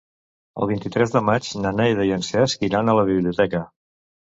El vint-i-tres de maig na Neida i en Cesc iran a la biblioteca.